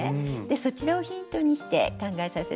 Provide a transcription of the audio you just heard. そちらをヒントにして考えさせて頂きました。